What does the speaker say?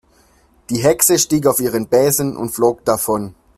Die Hexe stieg auf ihren Besen und flog davon.